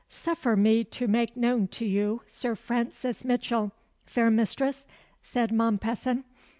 "Suffer me to make known to you Sir Francis Mitchell, fair mistress," said Mompesson.